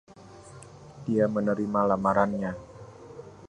Dia menerima lamarannya.